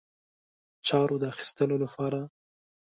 چارو د اخیستلو لپاره.